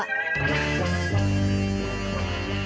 dosa mau dobel juga